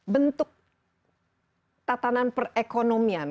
bentuk tatanan perekonomian